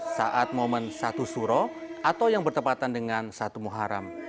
saat momen satu suro atau yang bertepatan dengan satu muharam